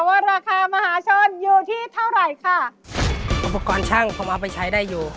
ว่าราคามหาชนอยู่ที่เท่าไหร่ค่ะอุปกรณ์ช่างผมเอาไปใช้ได้อยู่